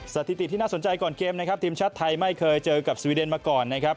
สถิติที่น่าสนใจก่อนเกมนะครับทีมชาติไทยไม่เคยเจอกับสวีเดนมาก่อนนะครับ